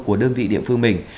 của đơn vị địa phương mình